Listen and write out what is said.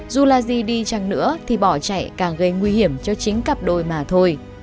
dù là gì đi chăng nữa thì bỏ chạy càng gây nguy hiểm cho chính cặp đôi mà thôi